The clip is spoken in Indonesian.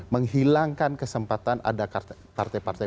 menghilangkan kesempatan ada partai partai